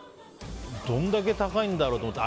どんだけ高いんだろうと思って。